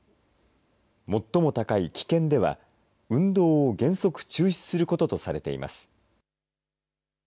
最も高い危険では、運動を原則中止することとされています。